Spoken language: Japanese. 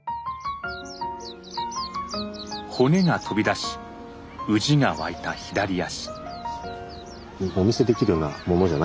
骨が飛び出しうじが湧いた左足。